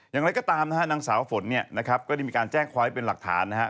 อย่างไรก็ตามนางสาวพงษ์ก็ได้มีการแจ้งคอยเป็นหลักฐานนะคะ